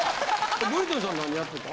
ブリトニーさん何やってた？